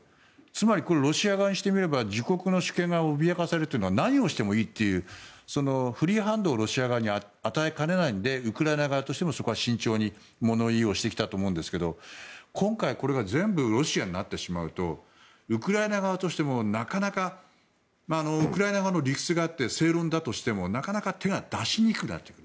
つまり、ロシア側にしてみれば自国の主権が脅かされているから何をしてもいいというフリーハンドをロシア側に与えかねないのでウクライナ側としてもそこは慎重に物言いをしてきたと思うんですが今回、これが全部ロシアになってしまうとウクライナ側としてもウクライナ側の理屈があって正論だとしてもなかなか手が出しにくくなる。